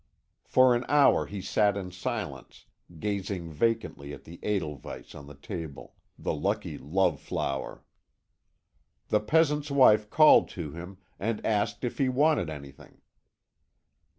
For an hour he sat in silence, gazing vacantly at the edelweiss on the table, the lucky love flower. The peasant's wife called to him, and asked if he wanted anything.